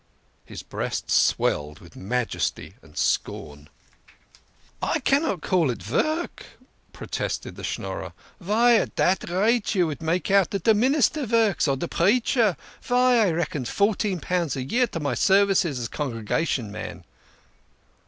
His breast swelled with majesty and scorn. " I cannot call it vork," protested the Schnorrer. " Vy at dat rate you vould make out dat de minister vorks ? or de preacher? Vy, I reckon fourteen pounds a year to my services as Congregation man."